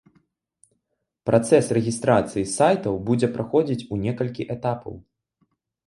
Працэс рэгістрацыі сайтаў будзе праходзіць у некалькі этапаў.